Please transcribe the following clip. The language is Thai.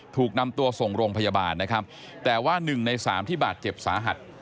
ถูกนำตัวส่งโรงพยาบาลนะครับแต่ว่าหนึ่งในสามที่บาดเจ็บสาหัส